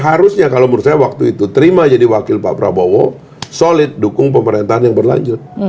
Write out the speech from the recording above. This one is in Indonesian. harusnya kalau menurut saya waktu itu terima jadi wakil pak prabowo solid dukung pemerintahan yang berlanjut